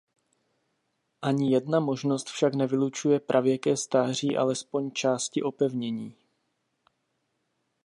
Ani jedna možnost však nevylučuje pravěké stáří alespoň části opevnění.